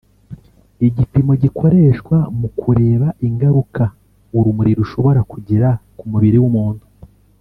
igipimo gikoreshwa mu kureba ingaruka urumuri rushobora kugira ku mubiri w’umuntu